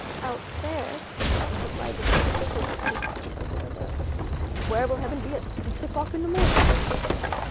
"Out there," replied the servant, hopelessly, pointing toward the window. "And where will heaven be at six o'clock in the morning?"